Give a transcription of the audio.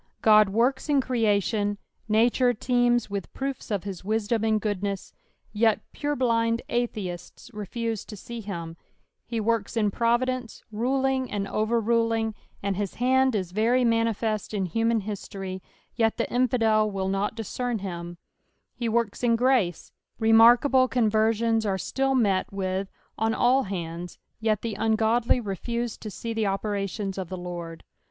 Ood works in ere at ion— nature teema with proofs of his wisdom and goodness, yet purblind atheists refuse to see him : he works in providence, ruling and overruling, and his hand is very manifest in human history, yet the infidel will not discern him : ho works in grace — remarkable conversions are still met with on all hands, yet the uitgodly refuse to see the operations of the Lord.